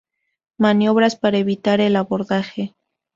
Maniobras para evitar el abordaje.